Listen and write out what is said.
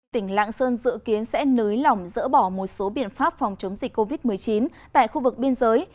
tỉnh lạng sơn dự kiến sẽ nới lỏng dỡ bỏ một số biện pháp phòng chống dịch covid một mươi chín tại khu vực biên giới